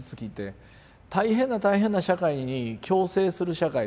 大変な大変な社会に共生する社会。